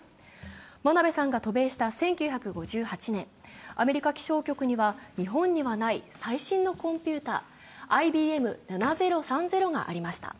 真鍋さんが渡米した１９５８年、アメリカ気象局には日本にはない最新のコンピューター、ＩＢＭ７０３０がありました。